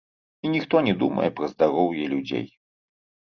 І ніхто не думае пра здароўе людзей.